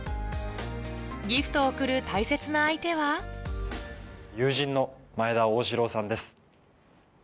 ギフトを贈る大切な相手は友人の前田旺志郎さんです。